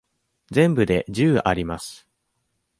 全部で十あります。